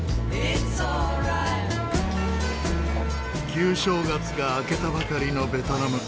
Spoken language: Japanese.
旧正月が明けたばかりのベトナム。